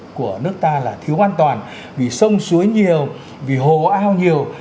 môi trường của nước ta là thiếu an toàn vì sông suối nhiều vì hồ ao nhiều